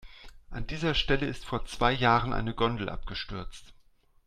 An dieser Stelle ist vor zwei Jahren eine Gondel abgestürzt.